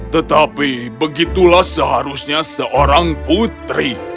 tetapi begitulah seharusnya seorang putri